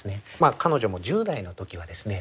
彼女も１０代の時はですね